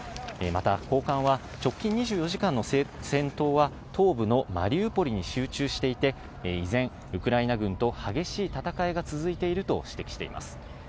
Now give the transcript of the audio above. また、高官は直近２４時間の戦闘は東部のマリウポリに集中していて、依然ウクライナ軍と激しい戦いが続いていると指摘しています。